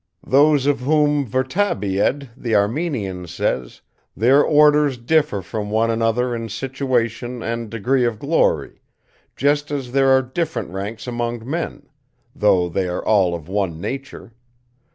"Those of whom Vertabied, the Armenian, says: '_Their orders differ from one another in situation and degree of glory, just as there are different ranks among men, though they are all of one nature.